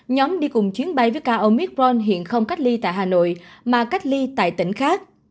nhóm đi cùng chuyến bay với ca ông micron hiện không cách ly tại hà nội mà cách ly tại tỉnh khác